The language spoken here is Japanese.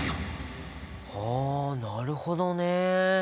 はなるほどね。